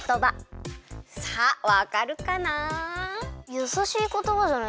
やさしいことばじゃないですか？